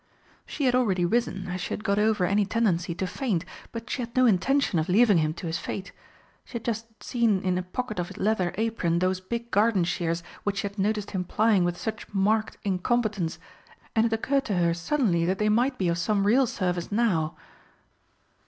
She had already risen, as she had got over any tendency to faint, but she had no intention of leaving him to his fate. She had just seen in a pocket of his leather apron those big garden shears which she had noticed him plying with such marked incompetence, and it occurred to her suddenly that they might be of some real service now.